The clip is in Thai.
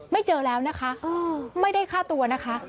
เจอแล้วนะคะไม่ได้ฆ่าตัวนะคะ